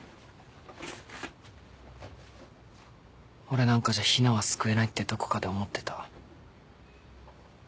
俺なんかじゃヒナは救えないってどこかで思ってた。